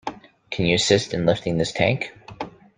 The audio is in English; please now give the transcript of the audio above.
Can you assist in lifting this tank?